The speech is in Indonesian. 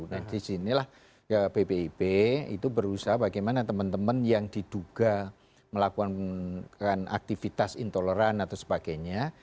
nah disinilah bpip itu berusaha bagaimana teman teman yang diduga melakukan aktivitas intoleran atau sebagainya